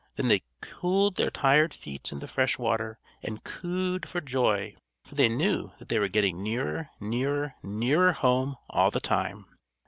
Then they cooled their tired feet in the fresh water, and cooed for joy; for they knew that they were getting nearer, nearer, nearer home, all the time.